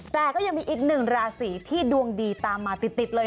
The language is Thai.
แต่ก็ยังมีอีกหนึ่งราศีที่ดวงดีตามมาติดเลย